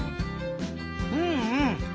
うんうん。